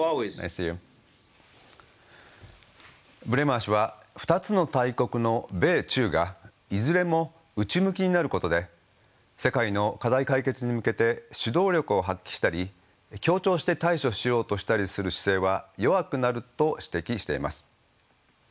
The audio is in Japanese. ブレマー氏は２つの大国の米中がいずれも内向きになることで世界の課題解決に向けて指導力を発揮したり協調して対処しようとしたりする姿勢は弱くなると指摘しています。